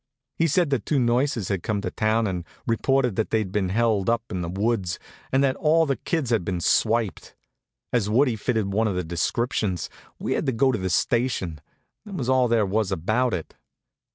He said the two nurses had come to town and reported that they'd been held up in the woods and that all the kids had been swiped. As Woodie fitted one of the descriptions, we had to go to the station, that was all there was about it.